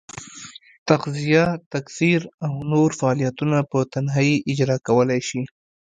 تغذیه، تکثر او نور فعالیتونه په تنهایي اجرا کولای شي.